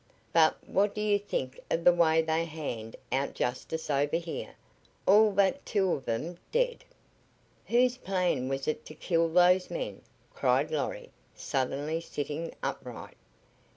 But what do you think of the way they hand out justice over here? All but two of 'em dead!" "Whose plan was it to kill those men?" cried Lorry, suddenly sitting upright.